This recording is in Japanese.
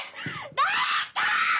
誰か！